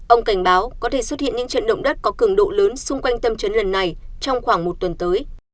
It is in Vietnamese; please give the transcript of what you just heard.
ông cảnh báo có thể xuất hiện những trận động đất có cường độ lớn xung quanh tâm trấn lần này trong khoảng một tuần tới